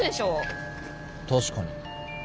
確かに。